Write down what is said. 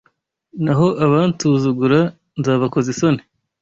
naho abansuzugura nzabakoza isoni